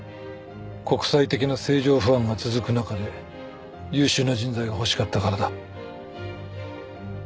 国際的な政情不安が続く中で優秀な人材が欲しかったからだ。